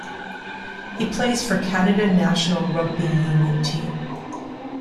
He plays for Canada national rugby union team.